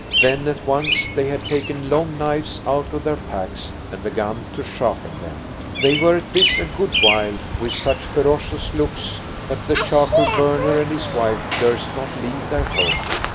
Then at once they had taken long knives out of their packs and begun to sharpen them. They were at this a good while, with such ferocious looks that the charcoal burner and his wife durst not leave their home.